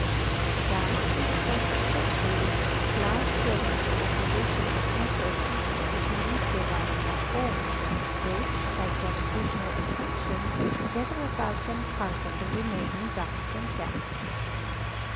Thus, in the course of centuries, large grains or aggregations of matter constituting meteorites are formed, which, by gravi tational attraction, gather about them part of the remain ing dust and gas.